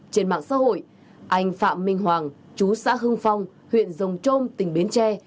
trên mạng xã hội anh phạm minh hoàng chú xã hưng phong huyện rồng trôm tỉnh bến tre